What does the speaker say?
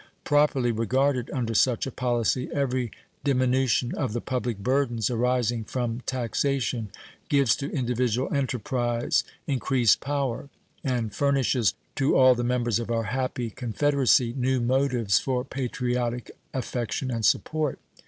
Properly regarded under such a policy, every diminution of the public burdens arising from taxation gives to individual enterprise increased power and furnishes to all the members of our happy Confederacy new motives for patriotic affection and support.